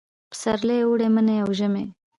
پسرلي، اوړي، مني او ژمي